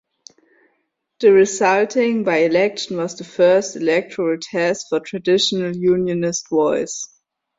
The resulting by election was the first electoral test for Traditional Unionist Voice.